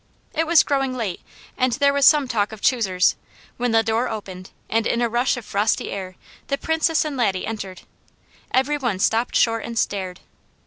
It was growing late and there was some talk of choosers, when the door opened and in a rush of frosty air the Princess and Laddie entered. Every one stopped short and stared.